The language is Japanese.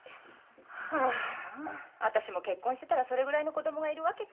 あ私も結婚してたらそれぐらいの子供がいるわけか。